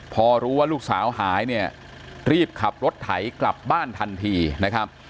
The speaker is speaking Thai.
พอรู้ว่าลูกสาวหายเนี่ยรีบขับรถไถกลับบ้านทันทีนะครับ